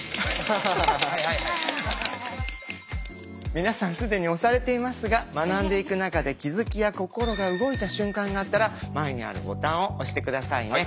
皆さん既に押されていますが学んでいく中で気づきや心が動いた瞬間があったら前にあるボタンを押して下さいね。